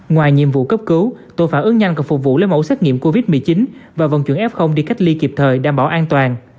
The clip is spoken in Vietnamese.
ngoài nhiệm vụ cấp cứu tội phản ứng nhanh còn phục vụ lấy mẫu xét nghiệm covid một mươi chín và vận chuyển f đi cách ly kịp thời đảm bảo an toàn